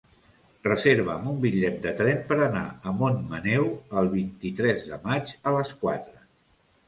Reserva'm un bitllet de tren per anar a Montmaneu el vint-i-tres de maig a les quatre.